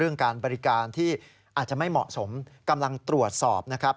การบริการที่อาจจะไม่เหมาะสมกำลังตรวจสอบนะครับ